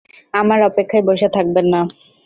আমার অপেক্ষায় বসে থাকবেন না।